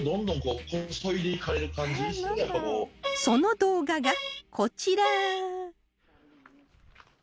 その動画がこちら